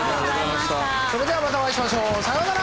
それではまたお会いしましょう。さようなら！